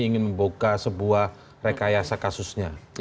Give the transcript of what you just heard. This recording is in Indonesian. ingin membuka sebuah rekayasa kasusnya